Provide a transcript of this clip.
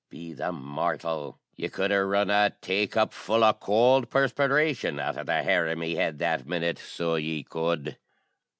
Be the mortial! ye could ha' rung a tay cupful o' cowld paspiration out o' the hair o' me head that minute, so ye could.